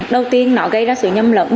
đầu tiên nó gây ra sự nhâm lẫn